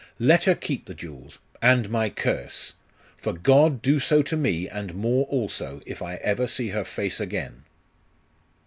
Let her keep the jewels and my curse! For God do so to me, and more also, if I ever see her face again!